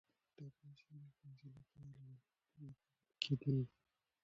دا پيسې د ښوونځيو لپاره لګول کېدې.